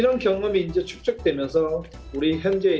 dengan pengalaman seperti ini